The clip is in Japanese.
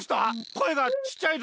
こえがちっちゃいぞ？